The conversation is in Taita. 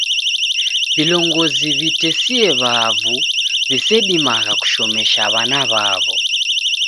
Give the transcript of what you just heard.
Vilongozi w'itesie w'avu w'isedimagha kushomesha w'ana w'aw'o